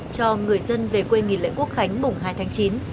cho người dân về quê nghỉ lễ quốc khánh mùng hai tháng chín